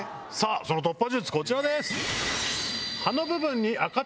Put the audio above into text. その突破術こちらです！